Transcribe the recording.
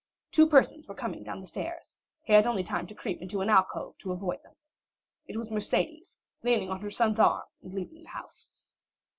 Two persons were coming down the stairs; he had only time to creep into an alcove to avoid them. It was Mercédès leaning on her son's arm and leaving the house.